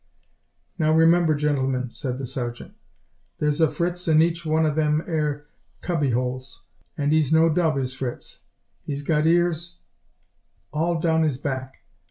"Now, remember, gentlemen," said the sergeant, "there's a Fritz in each one of these 'ere cubby 'oles, and 'e's no dub, is Fritz. 'E's got ears all down 'is back.